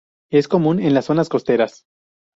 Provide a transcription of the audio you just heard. Es común en las zonas costeras.